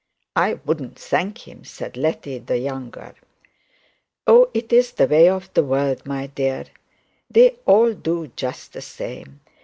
'I wouldn't thank him,' said Letty the younger. 'Oh, that's the way of the world, my dear. They all do just the same.